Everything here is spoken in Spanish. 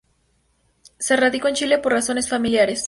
Se radicó en Chile por razones familiares.